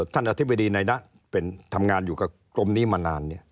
อธิบดีในนะเป็นทำงานอยู่กับกรมนี้มานาน